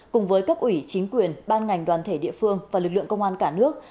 cùng với cấp ủy chính quyền ban ngành đoàn thể địa phương và lực lượng công an cả nước